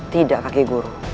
tidak kakek guru